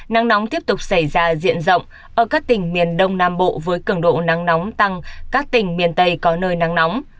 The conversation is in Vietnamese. nắng nóng tiếp tục xảy ra diện rộng ở các tỉnh miền đông nam bộ với cường độ nắng nóng tăng các tỉnh miền tây có nơi nắng nóng